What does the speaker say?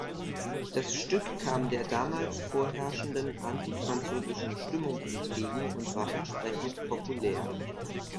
Das Stück kam der damals vorherrschenden anti-französischen Stimmung entgegen und war entsprechend populär.